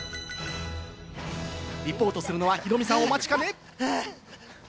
リポートするのはヒロミさんお待ちかね。